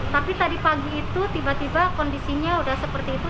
tapi tadi pagi itu tiba tiba kondisinya sudah seperti itu